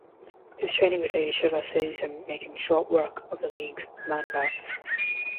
His training with Lady Shiva sees him making short work of the League's Man-Bats.